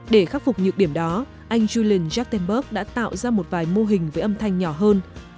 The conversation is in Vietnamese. để khắc phục nhược điểm đó anh julian jaktenberg đã tạo ra một vài mô hình với âm thanh nhỏ hơn